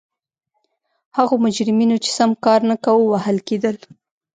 هغو مجرمینو چې سم کار نه کاوه وهل کېدل.